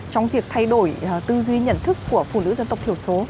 trong việc thay đổi tư duy nhận thức của phụ nữ dân tộc thiểu số